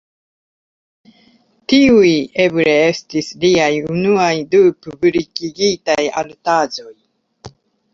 Tiuj eble estis liaj unuaj du publikigitaj artaĵoj.